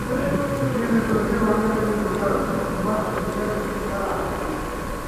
As vías de tradución andan medio esgotadas cando mal se puideran comezar a abrir.